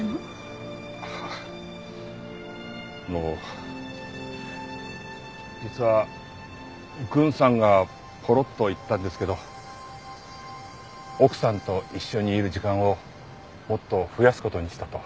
あの実は郡さんがポロッと言ったんですけど奥さんと一緒にいる時間をもっと増やす事にしたと。